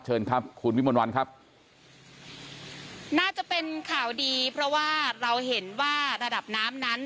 เชิญครับคุณวิมนต์วันครับน่าจะเป็นข่าวดีเพราะว่าเราเห็นว่าระดับน้ำนั้น